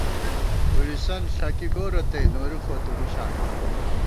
پُڑِسن ݪَکی گورہ تئ ، نوری خو تُو ہُشاں ژَہ